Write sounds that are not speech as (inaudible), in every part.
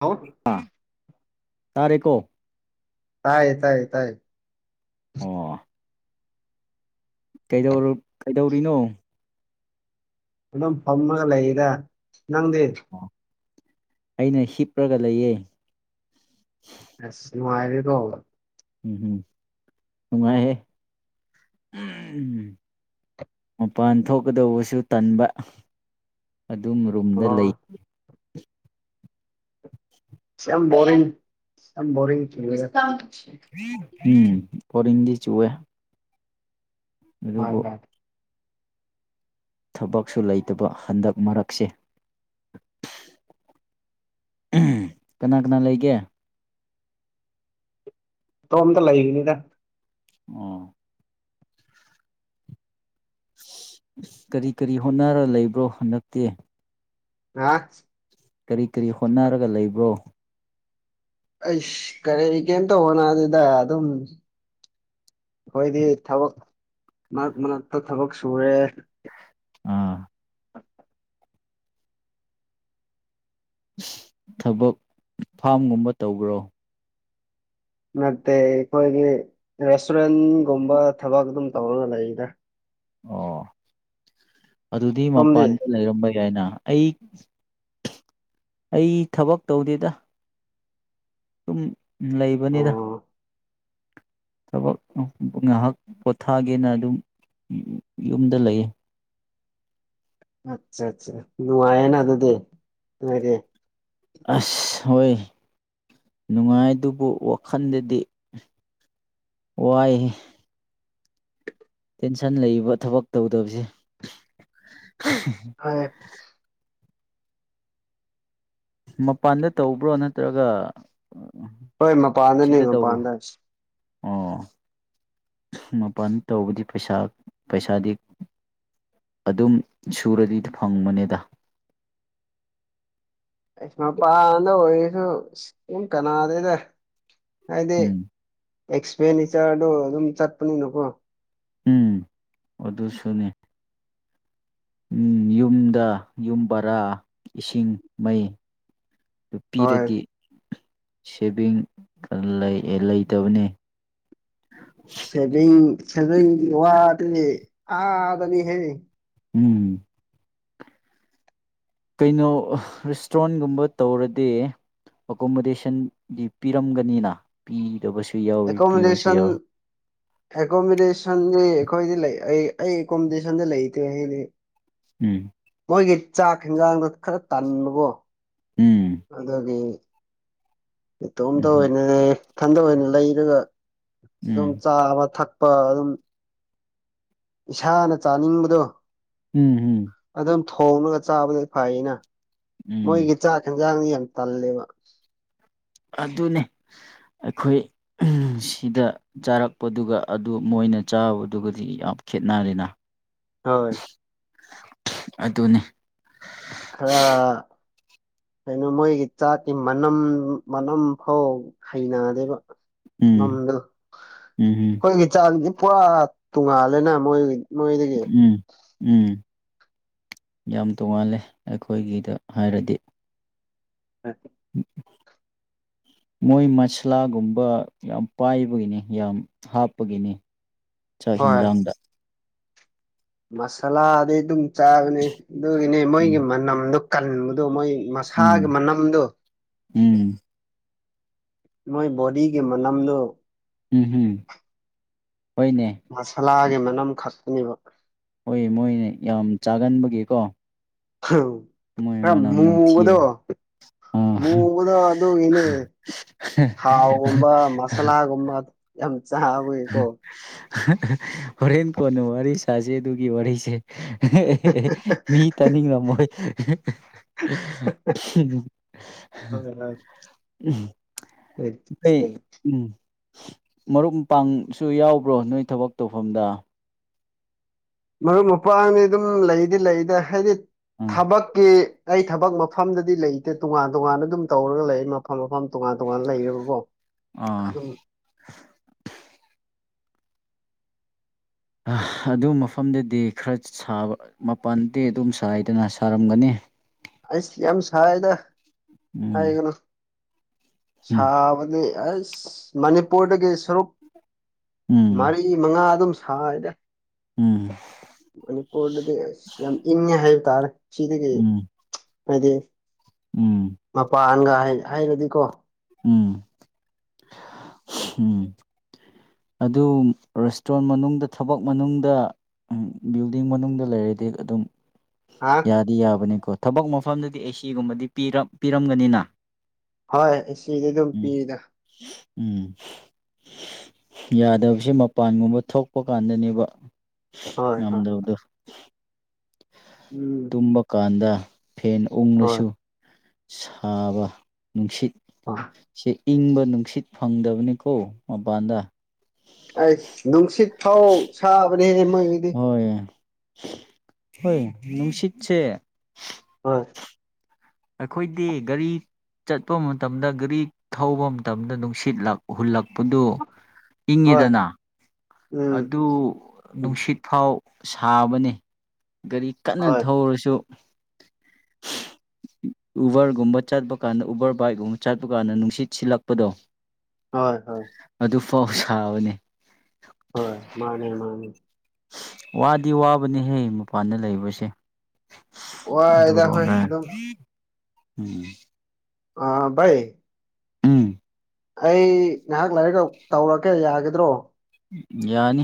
ꯍꯥꯎ ꯑꯥ ꯇꯥꯔꯦꯀꯣ ꯇꯥꯏ ꯇꯥꯏ ꯇꯥꯏ ꯑꯣ ꯀꯩꯗꯧꯔꯤꯅꯣ ꯑꯗꯨꯝ ꯐꯝꯃꯒ ꯂꯩꯔ ꯅꯪꯗꯤ ꯑꯣ ꯑꯩꯅ ꯍꯤꯞꯂꯒ ꯂꯩꯌꯦꯦ ꯑ ꯃꯥꯥꯏꯔꯤ ꯇꯕ ꯎꯝꯝ ꯅꯨꯡꯉꯥꯏꯍꯦ ꯃꯄꯥꯟ ꯊꯣꯛꯀꯗꯧꯕꯁꯨ ꯇꯟꯕ ꯑꯗꯨꯝ ꯔꯨꯝꯗ ꯑꯣ ꯑꯁ ꯂꯩꯈꯤ ꯌꯥꯝ ꯌꯥꯝ ꯌꯥꯝ ꯣꯔ ꯎꯝ ꯐ ꯏꯗꯤ ꯆꯕꯦ ꯃꯥ ꯃꯥꯠ ꯊꯕꯛꯁꯨ ꯂꯩꯇꯕ ꯍꯟꯗꯛ ꯃꯔꯛꯁꯦ ꯀꯅꯥ ꯀꯅꯥ ꯂꯩꯒꯦ ꯇꯣꯝꯗ ꯂꯩꯒꯅꯤꯗ ꯑ ꯀꯔꯤ ꯀꯔꯤ ꯍꯣꯠꯅꯔ ꯂꯩꯕ꯭ꯔꯣ ꯍꯟꯗꯛꯇꯦ ꯑ ꯀꯔꯤ ꯀꯔꯤ ꯍꯣꯠꯅꯔꯒ ꯂꯩꯕ꯭ꯔꯣ ꯑꯁ ꯀꯔꯦ ꯀꯩꯦꯝꯇꯣ ꯍꯅꯥ ꯑꯗꯨꯗ ꯑꯗꯨ ꯑꯩꯣꯏꯗꯤ ꯊꯕꯛꯛ ꯃꯅꯥꯛꯇ ꯊꯕꯛ ꯁꯨꯔꯦ ꯑꯥ ꯊꯕꯛ ꯐꯥꯝꯒꯨꯝꯕ ꯇꯧꯕ꯭ꯔꯣ ꯅꯠꯇꯦ ꯑꯩꯈꯣꯏꯒꯤ ꯔꯦꯁꯇꯨꯔꯦꯟꯒꯨꯝꯕ ꯊꯕꯛ ꯑꯗꯨꯝ ꯇꯧꯔꯒ ꯂꯩꯗ ꯑꯣ ꯑꯗꯨꯗꯤ ꯁꯣꯝꯗꯤ ꯃꯄꯥꯟꯗ ꯂꯩꯔꯝꯕ ꯌꯥꯏꯅ ꯑꯩ ꯑꯩ ꯊꯕꯛ ꯇꯧꯗꯦꯗ ꯁꯨꯝ ꯑꯣ ꯂꯩꯕꯅꯤꯗ ꯊꯕꯛ ꯉꯥꯏꯍꯥꯛ ꯄꯣꯊꯥꯒꯦꯅ ꯑꯗꯨꯝ ꯌꯨꯝꯗ ꯂꯩꯌꯦ ꯑꯆꯥ ꯑꯆꯥ ꯅꯨꯡꯉꯥꯏꯅ ꯑꯗꯨꯗꯦꯔꯦ ꯑꯁ ꯍꯣꯏ ꯅꯨꯡꯉꯥꯏꯗꯨꯕꯨ ꯋꯥꯈꯜꯗꯗꯤ ꯋꯥꯏ ꯇꯦꯟꯁꯟ ꯂꯩꯕ ꯊꯕꯛ ꯇꯧꯗꯕꯁꯦ ꯍꯣꯏ ꯃꯄꯥꯟꯗ ꯇꯧꯕ꯭ꯔꯣ ꯅꯠꯇ꯭ꯔꯒ ꯍꯣꯏ ꯃꯄꯥꯟꯗꯅꯦ ꯁꯤꯗ ꯇꯧꯕ꯭ꯔꯣ ꯃꯄꯥꯟꯗ ꯑꯣ ꯃꯄꯥꯟ ꯇꯧꯕꯗꯤ ꯄꯩꯁꯥ ꯄꯩꯁꯥꯗꯤ ꯑꯗꯨꯝ ꯁꯨꯔꯗꯤ ꯐꯪꯕꯅꯦꯗ ꯑꯩꯁꯃꯄꯥꯗ ꯑꯣꯏꯁꯨ ꯀꯅꯥꯗꯗ ꯍꯥꯏꯗꯤ ꯎꯝ ꯑꯦꯛꯁꯄꯦꯟꯗꯤꯆꯔꯗꯨ ꯑꯗꯨꯝ ꯆꯠꯄꯅꯤꯅꯀꯣ ꯎꯝ ꯑꯗꯨ ꯁꯨꯅꯤ ꯎꯝ ꯌꯨꯝꯗ ꯌꯨꯝ ꯕꯔꯥ ꯏꯁꯤꯡ ꯃꯩ ꯑꯗꯨ ꯍꯣꯏ ꯄꯤꯔꯗꯤ ꯁꯦꯚꯤꯡ ꯂꯩꯇꯕꯅꯤ ꯁꯦꯚꯤꯡ ꯁꯦꯚꯤꯡ ꯋꯥꯒꯅꯤ ꯑꯗꯅꯤ ꯍꯦ ꯎꯝ ꯀꯩꯅꯣ ꯔꯦꯁꯇꯨꯔꯦꯟꯒꯨꯝꯕ ꯇꯧꯔꯗꯤ ꯑꯦꯀꯣꯃꯣꯗꯦꯁꯟꯗꯤ ꯄꯤꯔꯝꯒꯅꯤꯅ ꯄꯤꯗꯕꯁꯨ ꯌꯥꯎꯏ ꯄꯤꯕꯁꯨ ꯌꯥꯎꯏ ꯑꯦꯀꯣꯃꯣꯗꯦꯁꯟꯗꯤ ꯑꯈꯣꯏꯗꯤ ꯂꯩ ꯑꯩ ꯑꯩ ꯑꯦꯀꯣꯃꯣꯗꯦꯁꯟꯗ ꯂꯩꯇꯦ ꯑꯩꯗꯤ ꯎꯝ ꯃꯣꯏꯒꯤ ꯆꯥꯛ ꯍꯦꯟꯖꯥꯡꯗꯣ ꯈꯔ ꯇꯟꯕꯀꯣ ꯎꯝ ꯑꯗꯨꯒꯤ ꯏꯇꯣꯝꯇ ꯎꯝ ꯑꯣꯏꯅ ꯏꯊꯟꯗ ꯑꯣꯏꯅ ꯂꯩꯔꯒ ꯑꯗꯨꯝ ꯎꯝ ꯆꯥꯕ ꯊꯛ ꯄꯥ ꯑꯗꯨꯝ ꯏꯁꯥꯅ ꯆꯥꯅꯤꯡꯕꯗꯣ ꯎꯝ ꯎꯝ ꯊꯣꯡꯉꯒ ꯆꯥꯕ ꯐꯩꯅ ꯎꯝ ꯃꯣꯏꯒꯤ ꯆꯥꯛ ꯍꯦꯟꯖꯥꯡꯗꯤ ꯌꯥꯝ ꯇꯜꯂꯦꯕ ꯑꯗꯨꯅꯦ ꯑꯩꯈꯣꯏ ꯁꯤꯗ ꯆꯥꯔꯛꯄꯗꯨꯒ ꯑꯗꯨ ꯃꯣꯏ ꯃꯣꯏꯅ ꯆꯥꯕꯗꯨꯒꯗꯤ ꯌꯥꯝ ꯈꯦꯠꯅꯔꯦꯅ ꯍꯣꯏ ꯑꯗꯨꯅꯤ ꯈꯔꯥ ꯀꯩꯅꯣ ꯃꯣꯏꯒꯤ ꯆꯥꯛꯀꯤ ꯃꯅꯝ ꯃꯅꯝ ꯐꯥꯎ ꯍꯩꯅꯗꯦꯕ ꯎꯝ ꯃꯅꯝꯗꯣ ꯎꯝ ꯑꯈꯣꯏꯒꯤ ꯆꯥꯛ ꯄꯨꯔꯥ ꯇꯣꯡꯉꯥꯜꯂꯦꯅ ꯃꯣꯏ ꯅꯣꯏꯗꯒꯤ ꯎꯝ ꯎꯝ ꯌꯥꯝ ꯇꯣꯉꯥꯜꯂꯦ ꯑꯈꯣꯏꯒꯤꯗ ꯍꯥꯏꯔꯗꯤ ꯎꯝ ꯃꯣꯏ ꯃꯁꯂꯥꯒꯨꯝꯕ ꯌꯥꯝ ꯄꯥꯏꯕꯒꯤꯅꯤ ꯌꯥꯝ ꯍꯥꯞꯄꯒꯤꯅꯤ ꯆꯥꯛ ꯍꯣꯏ ꯍꯦꯟꯖꯥꯡꯗ ꯃꯁꯥꯂꯥꯗꯤ ꯑꯗꯨꯝ ꯆꯥꯕꯅꯦ ꯑꯗꯨꯒꯤꯅꯦ ꯃꯣꯏꯒꯤ ꯎꯝ ꯃꯅꯝꯗꯣ ꯀꯟꯕ ꯑꯗꯨ ꯃꯣꯏ ꯃꯁꯥꯒꯤ ꯎꯝ ꯃꯅꯝꯗꯣ ꯎꯝ ꯃꯣꯏ ꯕꯣꯗꯤꯒꯤ ꯃꯅꯝꯗꯣ ꯎꯝ ꯎꯝ ꯍꯣꯏꯅꯦ ꯃꯁꯂꯥꯒꯤ ꯃꯅꯝ ꯈꯛꯇꯅꯦꯕ ꯍꯣꯏ ꯃꯣꯏꯅꯦ ꯌꯥꯝ ꯆꯥꯒꯟꯕꯒꯤꯀꯣ ꯍꯝ ꯃꯣꯏ ꯈꯔ ꯃꯅꯝ ꯃꯨꯕꯗꯣ ꯅꯝꯊꯤꯕ ꯑꯥ ꯃꯨꯕꯗꯣ ꯑꯗꯨꯒꯤꯅꯦ ꯊꯥꯎꯒꯨꯝꯕ ꯃꯁꯂꯒꯨꯝꯕ ꯌꯥꯝ ꯆꯥꯕꯒꯤꯀꯣ ꯍꯣꯔꯦꯟ ꯀꯣꯟꯅ ꯋꯥꯔꯤ ꯁꯥꯖꯦ ꯑꯗꯨꯒꯤ ꯋꯥꯔꯤꯁꯦ ꯃꯤ ꯇꯥꯅꯤꯡ ꯉꯃꯣꯏ (unintelligible) (unintelligible) ꯎꯝ ꯍꯣꯢ ꯅꯣꯏ ꯃꯔꯨꯞ ꯃꯄꯥꯡꯁꯨ ꯌꯥꯎꯕ꯭ꯔꯣ ꯅꯣꯏ ꯊꯕꯛ ꯇꯧꯐꯝꯗ ꯃꯔꯨꯞ ꯃꯄꯥꯡꯅꯤ ꯑꯗꯨꯝ ꯂꯩꯗꯤ ꯂꯩꯗ ꯍꯥꯏꯗꯤ ꯎꯝ ꯊꯕꯛꯀꯤ ꯑꯩ ꯊꯕꯛ ꯃꯐꯝꯗꯗꯤ ꯂꯩꯇꯦ ꯇꯣꯉꯥꯟ ꯇꯣꯉꯥꯟꯅ ꯑꯗꯨꯝ ꯇꯧꯔꯒ ꯂꯩ ꯃꯐꯝ ꯃꯐꯝ ꯇꯣꯉꯥꯟ ꯇꯣꯉꯥꯟꯅ ꯂꯩꯑꯕꯀꯣ ꯑꯥ ꯑꯗꯨ ꯃꯐꯝꯗꯗꯤ ꯈꯔ ꯁꯥꯕ ꯃꯄꯥꯟꯗꯤ ꯑꯗꯨꯝ ꯁꯥꯏꯗꯅ ꯁꯥꯔꯝꯒꯅꯤ ꯑꯩꯁ ꯌꯥꯝ ꯁꯥꯏꯗ ꯎꯝ ꯍꯥꯏꯒꯅꯣ ꯎꯝ ꯁꯥꯕꯒꯤ ꯑꯁ ꯃꯅꯤꯄꯨꯔꯗꯒꯤ ꯁꯔꯨꯛ ꯎꯝ ꯃꯔꯤ ꯃꯉꯥ ꯑꯗꯨꯝ ꯁꯅꯦ ꯎꯝ ꯃꯅꯤꯄꯨꯔ ꯅꯗꯤ ꯌꯥꯝ ꯏꯟꯅꯌꯥ ꯍꯥꯏꯕ ꯇꯔꯛ ꯁꯤꯤꯗꯒꯤ ꯍꯥꯏꯗꯤ ꯎꯝ ꯎꯝ ꯃꯄꯥꯟꯒ ꯍꯥꯏꯔꯗꯤꯀꯣ ꯎꯝ ꯎꯝ ꯑꯗꯨ ꯔꯦꯁꯇꯨꯔꯦꯟ ꯃꯅꯨꯡꯗ ꯊꯕꯛ ꯃꯅꯨꯡꯗ ꯎꯝ ꯕꯤꯜꯗꯤꯡ ꯃꯅꯨꯡꯗ ꯂꯩꯔꯗꯤ ꯑꯗꯨꯝ ꯍꯥ ꯌꯥꯗꯤ ꯌꯥꯕꯅꯤꯀꯣ ꯊꯕꯛ ꯃꯐꯝꯗꯗꯤ ꯑꯦꯁꯤꯒꯨꯝꯕꯗꯤ ꯄꯤꯔꯝꯒꯅꯤꯅ ꯍꯣꯏ ꯁꯤꯗꯤ ꯑꯗꯨꯝ ꯎꯝ ꯄꯤꯗ ꯎꯝ ꯌꯥꯗꯕꯁꯤꯦ ꯃꯄꯥꯟꯒꯨꯝꯕ ꯊꯣꯛꯄ ꯀꯥꯟꯗꯅꯦꯕ (inaudible) ꯍꯣꯏ ꯍꯣꯏ ꯉꯝꯗꯗ ꯎꯝ ꯇꯨꯝꯕ ꯀꯥꯟꯗ ꯐꯦꯟ ꯍꯣꯏ ꯎꯡꯂꯁꯨ ꯁꯕ ꯅꯨꯡꯁꯤꯠ ꯍꯣꯏ ꯆꯦ ꯏꯪꯕ ꯅꯨꯡꯁꯤꯠ ꯐꯪꯗꯕꯅꯤꯀꯣ ꯃꯄꯥꯟꯗ ꯑꯩꯁ ꯅꯨꯡꯁꯤꯠ ꯐꯥꯎ ꯁꯥꯕꯅꯦꯍ ꯃꯣꯏꯒꯤꯗꯤ ꯍꯣꯏ ꯍꯣꯏ ꯅꯨꯡꯁꯤꯠꯁꯦ ꯍꯣꯏ ꯑꯩꯈꯣꯏꯗꯤ ꯒꯥꯔꯤ ꯆꯠꯄ ꯃꯇꯝꯗ ꯒꯥꯔꯤ ꯊꯧꯕ ꯃꯇꯝꯗ ꯅꯨꯡꯁꯤꯠꯂ ꯍꯨꯜꯂꯛꯄ ꯑꯗꯨꯗꯨ ꯍꯣꯏ ꯏꯪꯉꯤꯗꯅ ꯎꯝ ꯑꯗꯨ ꯎꯝ ꯅꯨꯡꯁꯤꯠ ꯐꯥꯎ ꯁꯥꯕꯅꯤ ꯒꯥꯔꯤ ꯀꯟꯅ ꯍꯣꯏ ꯊꯧꯔꯁꯨ ꯎꯕꯔꯒꯨꯝꯕ ꯆꯠꯄ ꯀꯥꯟꯗ ꯎꯕꯔ ꯕꯥꯏꯛꯀꯨꯝꯕ ꯆꯠꯄ ꯀꯥꯟꯗ ꯅꯨꯡꯁꯤꯠ ꯁꯤꯜꯂꯛꯄꯗꯣ ꯍꯣꯏ ꯍꯣꯏ ꯄꯥꯎꯁꯕꯅꯤ ꯍꯣꯏ ꯃꯥꯅꯦ ꯃꯥꯅꯦ ꯋꯥꯗꯤ ꯋꯥꯕꯅꯤꯍꯦ ꯃꯄꯥꯟꯗ ꯂꯩꯕꯁꯦ ꯑꯗꯨ ꯋꯥꯏꯗ ꯍꯣꯏ ꯑꯣꯏꯗ ꯑꯗꯨꯝ ꯎꯝ ꯑꯥ ꯕꯥꯌ ꯎꯝ ꯑꯩ ꯉꯥꯏꯍꯥꯛ ꯂꯥꯏꯔꯤꯛ ꯇꯧꯔꯛꯒꯦ ꯌꯥꯒꯗ꯭ꯔꯣ ꯌꯥꯅꯤ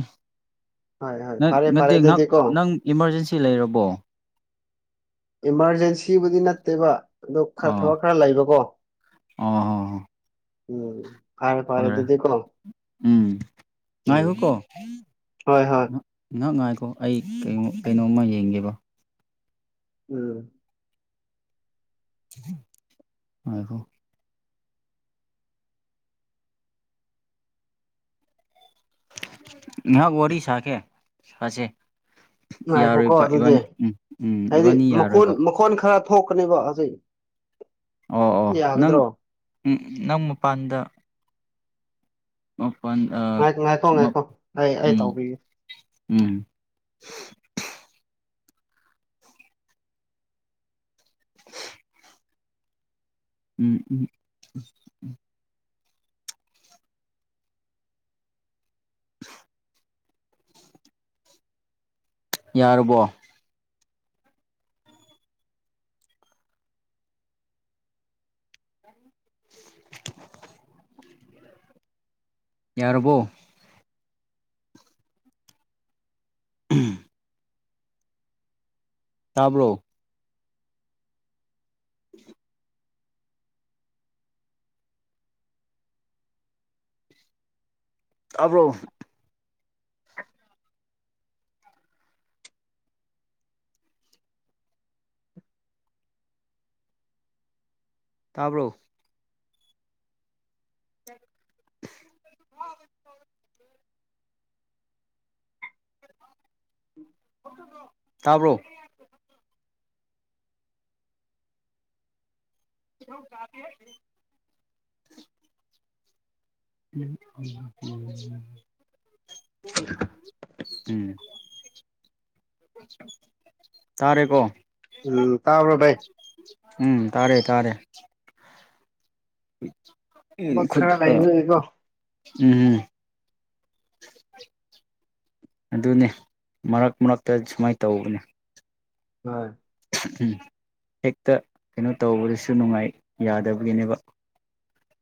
ꯍꯣꯏ ꯍꯣꯏ ꯐꯔꯦ ꯐꯔꯦ ꯅꯠꯇꯦꯍ ꯑꯗꯨꯗꯤꯀꯣ ꯅꯪ ꯏꯃꯥꯔꯖꯦꯟꯁꯤ ꯂꯩꯔꯕꯣ ꯏꯃꯥꯔꯖꯦꯟꯁꯤꯕꯨꯗꯤ ꯅꯠꯇꯦꯕ ꯑꯣ ꯈꯔ ꯑꯥ ꯊꯕꯛ ꯈꯔ ꯂꯩꯕꯀꯣ ꯑꯥ ꯍꯣꯏ ꯎꯝ ꯐꯔꯦ ꯐꯔꯦ ꯑꯗꯨꯤꯗꯤ ꯀꯣ ꯎꯝ ꯎꯝ ꯉꯥꯏꯈꯣꯀꯣ ꯍꯣꯏ ꯍꯣꯏ ꯑꯣ ꯑꯩ ꯀ ꯀꯩꯅꯣꯝꯃ ꯌꯦꯡꯒꯦꯕ ꯎꯝ ꯑ ꯍꯣ ꯉ ꯣꯔꯤ ꯁꯥꯈꯦ ꯁꯥꯁꯦ ꯅꯨꯡꯥꯏꯈꯣꯀꯣ ꯌꯥꯔꯣꯏꯕ ꯑꯗꯨꯗꯤ ꯏꯕꯥꯅꯤ ꯎꯝ ꯎꯝ ꯍꯥꯏꯗꯤ ꯏꯕꯥꯅꯤ ꯃꯈꯣꯟ ꯌꯥꯔꯣꯏꯕ ꯃꯈꯣꯟ ꯈꯔ ꯊꯣꯛꯀꯅꯤꯕꯁꯦ ꯑꯣ ꯑꯣ ꯅꯪ ꯅꯪ ꯃꯄꯥꯟꯗ ꯃꯄꯟ ꯑ ꯉꯥꯏ ꯉꯥꯏꯈꯣ ꯃ ꯉꯥꯏꯈꯣ ꯑꯩ ꯑꯩ ꯎꯝ ꯇꯧꯕꯤꯒꯦ ꯎꯝ ꯎꯝ ꯎꯝ ꯎꯝ ꯌꯥꯔꯕꯣ ꯌꯥꯔꯕꯣ ꯎꯝ ꯇꯥꯕ꯭ꯔꯣ ꯎ (unintelligible) (inaudible) ꯑꯕ꯭ꯔꯣ ꯇꯥꯕ꯭ꯔꯣ (unintelligible) ꯇꯥꯕꯣ (unintelligible) ꯎꯝ ꯎ ꯎ ꯎꯝ ꯇꯥꯔꯦꯀꯣ ꯎꯝ ꯇꯥꯕ꯭ꯔꯣ ꯚꯥꯏ ꯎꯝ ꯇꯥꯔꯦ ꯇꯥꯔꯦ ꯊꯕꯛ ꯈꯨꯠ ꯈꯔ ꯑ ꯂꯩꯕꯒꯤꯀꯣ ꯎꯝ (unintelligible) ꯑꯗꯨꯅꯤ ꯃꯔꯛ ꯃꯔꯛꯇ ꯁꯨꯃꯥꯏꯅ ꯇꯧꯕꯅꯦ ꯍꯣꯏ ꯍꯦꯛꯇ ꯀꯩꯅꯣ ꯇꯧꯕꯗꯁꯨ ꯅꯨꯡꯉꯥꯏ ꯌꯥꯗꯕꯒꯤꯅꯦꯕ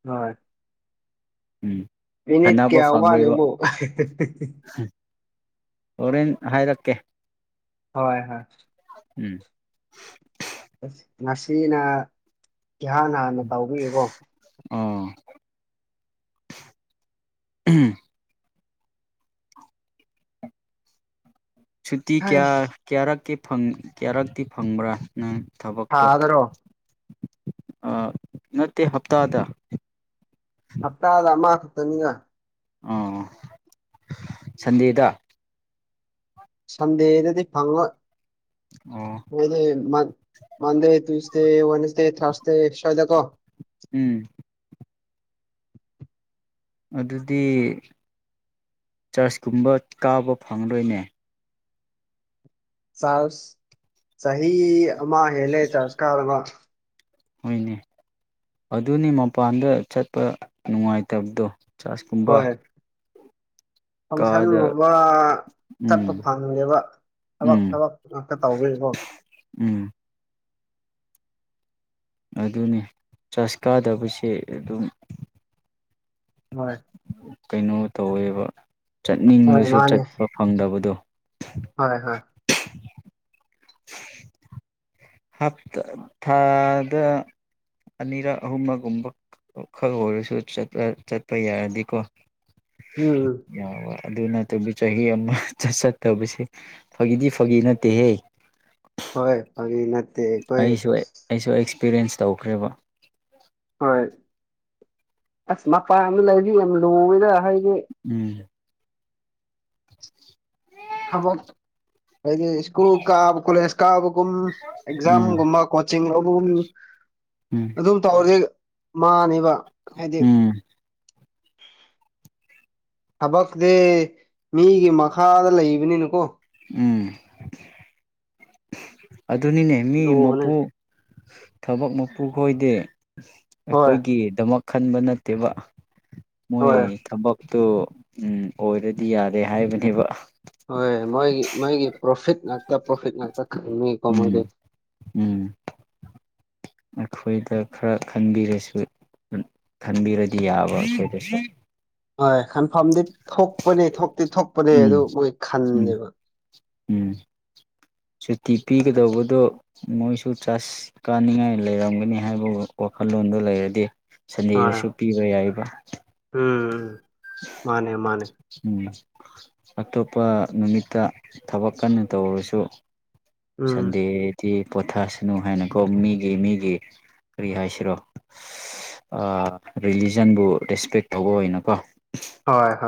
ꯍꯣꯏ ꯎꯝ ꯅꯤꯠ ꯈꯟꯅꯕ ꯀꯌꯥ ꯑ ꯋꯥ ꯐꯪꯂꯣꯏꯕ ꯂꯩꯦꯕꯣ ꯑꯣꯣꯔꯦꯟ ꯍꯥꯏꯔꯛꯀꯦ ꯍꯣꯏ ꯍꯣꯏ ꯎꯝ ꯑ ꯉꯁꯤꯅ ꯏꯍꯥꯟ ꯍꯥꯟꯅ ꯇꯧꯕꯕꯤꯔꯕꯣ ꯑꯥ ꯎꯝ ꯁꯨꯇꯤ ꯀꯌꯥ ꯑꯁ ꯀꯌꯥꯔꯛꯇꯤ ꯀꯌꯥꯔꯛꯇꯤ ꯐꯪꯕ꯭ꯔꯥ ꯅꯪ ꯊꯕꯛꯇꯣ ꯊꯥꯗꯔꯣ ꯅꯠꯇꯦ ꯍꯞꯇꯥꯗ ꯍꯞꯇꯥꯗ ꯑꯃ ꯈꯛꯇꯅꯤꯅ ꯑꯥ ꯁꯟꯗꯦꯗ ꯁꯗꯦꯗꯗꯤ ꯐꯪꯉ ꯑꯣ ꯐ ꯃ ꯃꯗ ꯦ ꯋꯥꯟꯁꯦ ꯊ꯭ꯔꯥꯁꯇꯦ ꯁꯋꯥꯗ ꯀꯣ ꯎꯝ ꯑꯗꯨꯗꯤ ꯆꯥꯔꯖꯀꯨꯝꯕ ꯀꯥꯕ ꯐꯪꯂꯔꯣꯏꯅꯦ ꯁꯥ ꯁꯍꯤ ꯑꯃ ꯍꯦꯂꯦ ꯆꯁꯀꯥ ꯍꯣꯏꯅꯦ ꯑꯗꯨꯅꯤ ꯃꯄꯥꯟꯗ ꯆꯠꯄ ꯅꯨꯡꯉꯥꯏꯇꯕꯗꯣ ꯆꯥꯁ ꯀꯨꯝꯕ ꯍꯣꯏ ꯐꯪꯁꯟꯒꯨꯝꯕ ꯆꯠꯄ ꯎꯝ ꯐꯪꯉꯦꯕ ꯊꯕꯛ ꯎꯝ ꯊꯕꯛ ꯊꯛꯇ ꯇꯧꯒꯕꯣ ꯎꯝ ꯑꯗꯨꯅꯤ ꯆꯁ ꯀꯥꯗꯕꯁꯦ ꯑꯗꯨꯝ ꯍꯣꯏ ꯀꯩꯅꯣ ꯇꯧꯋꯦꯕ ꯍꯣꯏ ꯆꯠꯅꯤꯡꯕꯁꯨ ꯃꯥꯅꯦ ꯆꯠꯄ ꯐꯪꯗꯕꯗꯣ ꯍꯣꯏ ꯍꯣꯏ ꯍꯥꯞ ꯊꯥꯗ ꯑꯅꯤꯔꯛ ꯑꯍꯨꯝ ꯑꯃꯒꯨꯝꯕ ꯈꯛ ꯑꯣꯏꯔꯁꯨ ꯆꯠꯄ ꯌꯥꯔꯗꯤꯀꯣ ꯎꯝ ꯎꯝ ꯌꯥ ꯋꯥ ꯑꯗꯨ ꯅꯠꯇꯕꯨ ꯆꯍꯤ ꯑꯃ ꯆꯠꯇꯕꯁꯦ ꯐꯒꯤꯗꯤ ꯐꯥꯒꯤ ꯅꯠꯇꯦꯍꯦ ꯍꯣꯏ ꯐ ꯑꯩꯁꯨ ꯑꯩꯁꯨ ꯑꯦꯛꯁꯄꯤꯔꯤꯌꯦꯟꯁ ꯇꯧꯈ꯭ꯔꯦꯕ ꯍꯣꯏ ꯑꯁ ꯃꯄꯥꯟ ꯑꯃ ꯂꯩꯔꯤ ꯌꯥꯝ ꯂꯣꯏꯔ ꯎꯝ ꯊꯕꯛ ꯍꯥꯏꯗꯤ ꯁ꯭ꯀꯨꯜ ꯀꯥꯕ ꯀꯣꯂꯦꯖ ꯀꯥꯕ ꯨꯝ ꯎꯝ ꯑꯦꯛꯖꯥꯝꯒꯨꯝꯕ ꯀꯣꯆꯤꯡ ꯂꯧꯕꯒꯨꯝ ꯎꯝ ꯑꯗꯨꯝ ꯇꯧꯔꯗꯤ ꯃꯥꯅꯤꯕ ꯎꯝ (inaudible) ꯊꯕꯁꯤ ꯃꯤꯒꯤ ꯃꯈꯥꯗ ꯂꯩꯕꯅꯤꯅꯀꯣ ꯎꯝ ꯑꯗꯨꯅꯤꯅꯦ ꯃꯤ ꯂꯨꯕꯅꯦ ꯃꯄꯨ ꯊꯕꯛ ꯃꯄꯨ ꯈꯣꯏꯗꯦ ꯍꯣꯏ ꯑꯩꯈꯣꯏꯒꯤꯗꯃꯛ ꯈꯟꯕ ꯅꯠꯇꯦꯕ ꯃꯣꯏ ꯍꯣꯏ ꯊꯕꯛꯇꯨ ꯑꯣꯏꯔꯗꯤ ꯌꯥꯔꯦ ꯍꯥꯏꯕꯅꯦꯕ ꯍꯣꯏ ꯃꯣꯏꯒꯤ ꯃꯣꯏꯒꯤ ꯄ꯭ꯔꯣꯐꯤꯠ ꯉꯥꯛꯇ ꯄ꯭ꯔꯣꯐꯤꯠ ꯂꯥꯛꯇ ꯈ ꯀꯣꯃꯗꯦ ꯎꯝ ꯎꯝ ꯑꯩꯈꯣꯏꯗ ꯈꯔ ꯈꯟꯕꯤꯔꯁꯨ ꯈꯟꯕꯤꯔꯗꯤ ꯌꯥꯕ ꯍꯣꯏ ꯈꯟꯐꯝꯗꯤ ꯊꯣꯛꯄꯅꯦ ꯊꯣꯛꯇꯤ ꯊꯣꯛꯄꯅꯦ ꯑꯗꯨ ꯎꯝ ꯃꯣꯏ ꯎꯝ ꯈꯟꯗꯦꯕ ꯎꯝ ꯁꯨꯇꯤ ꯄꯤꯒꯗꯧꯕꯗꯣ ꯃꯣꯏꯁꯨ ꯆꯥꯁ ꯀꯥꯅꯤꯡꯉꯥꯏ ꯂꯩꯔꯝꯒꯅꯤ ꯍꯥꯏꯕ ꯋꯥꯈꯜ ꯐꯜꯂꯣꯟꯗꯨ ꯂꯩꯔꯗꯤ ꯍꯣꯏ ꯁꯟꯗꯦꯗꯁꯨ ꯄꯤꯕ ꯌꯥꯏꯕ ꯎꯝ ꯎꯝ ꯃꯥꯅꯦ ꯃꯥꯅꯦ ꯎꯝ ꯑꯇꯣꯞꯄ ꯅꯨꯃꯤꯠꯇ ꯊꯕꯛ ꯀꯟꯅ ꯇꯧꯔꯁꯨ ꯎꯝ ꯁꯟꯗꯦꯗꯤ ꯄꯣꯊꯁꯅꯨ ꯍꯥꯏꯅꯀꯣ ꯃꯤꯒꯤ ꯃꯤꯒꯤ ꯀꯔꯤ ꯍꯥꯏꯁꯤꯔꯣ ꯔꯤꯂꯤꯖꯟꯕꯨ ꯔꯦꯁꯄꯦꯛ ꯇꯧꯕ ꯑꯣꯏꯅꯀꯣ ꯍꯣꯏ ꯍꯣꯏ